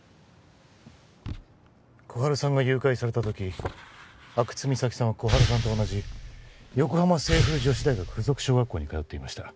心春さんが誘拐された時阿久津実咲さんは心春さんと同じ横浜清風女子大学附属小学校に通っていました